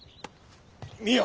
見よ。